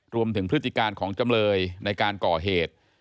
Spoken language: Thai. พฤติการของจำเลยในการก่อเหตุ